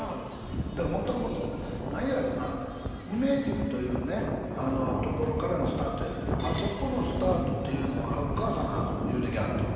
元々何やろうな無名塾というねところからのスタートやねんあそこのスタートっていうのはお母さんが言うてきはったん？